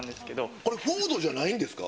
これフォードじゃないんです